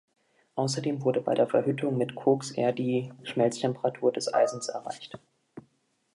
Außerdem wurde bei der Verhüttung mit Koks eher die Schmelztemperatur des Eisens erreicht.